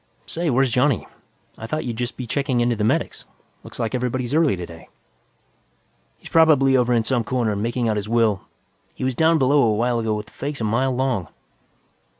Say, where's Johnny? I thought you'd just be checking in to the medics; looks like everybody's early today." "He's probably over in some corner, making out his will. He was down below a while ago with a face a mile long."